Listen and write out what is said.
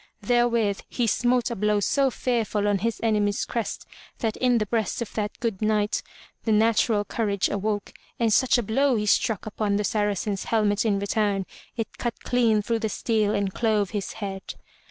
'* Therewith he smote a blow so fearful on his enemy's crest that in the breast of that good Knight the natural courage awoke, and such a blow he struck upon the Saracen's helmet in return, it cut clean through the steel and clove his head.